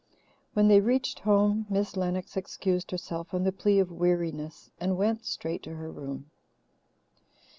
When they reached home, Miss Lennox excused herself on the plea of weariness and went straight to her room.